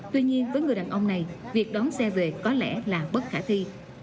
tuy nhiên với người đàn ông này việc đón xe về có lẽ là bất khả thi